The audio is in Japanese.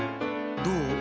どう？